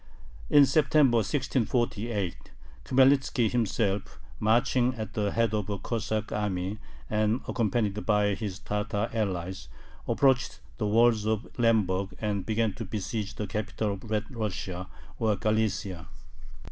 In September, 1648, Khmelnitzki himself, marching at the head of a Cossack army, and accompanied by his Tatar allies, approached the walls of Lemberg, and began to besiege the capital of Red Russia, or Galicia.